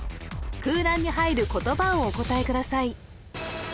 空欄に入る言葉をお答えください